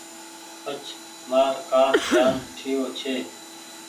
پڇ مآر ڪآرڊ جآن ٺييو ڇي۔